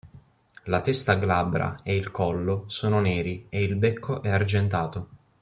La testa glabra e il collo sono neri e il becco è argentato.